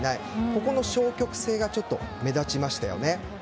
ここの消極性が目立ちましたよね。